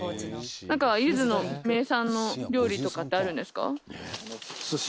ゆずの名産の料理とかってあるんですか？